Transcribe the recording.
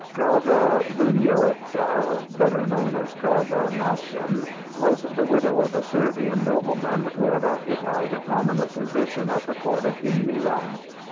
Draga Lunyewitza, better known as Draga Maschin, was the widow of a Servian nobleman who had occupied a prominent position at the court of King Milan.